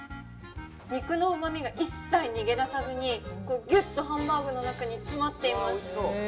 肉のうまみが一切逃げ出さずにぎゅっとハンバーグの中に詰まっています。